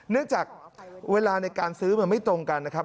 เนื่องจากเวลาในการซื้อมันไม่ตรงกันนะครับ